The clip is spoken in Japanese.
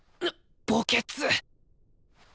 墓穴！